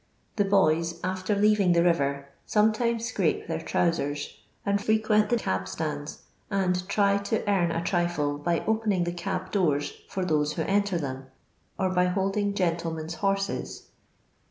The boys, after leaving the river, sometimes scrape their trousers, ana frequent the cab stands, and try to earn a trifle by opening the cab doors for those who enter them, or by holding gentlemen's horses.